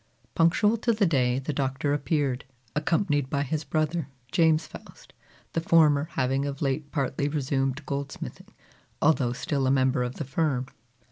Punctual to the day the Doctor appeared, accompanied by his brother, James Faust; the former having of late partly resumed goldsmithing, although still a member of the firm.